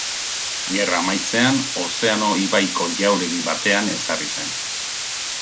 Gerra amaitzean, Ozeano ibaiko jauregi batean ezarri zen.